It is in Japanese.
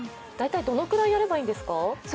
大体どれくらいやればいいんですか？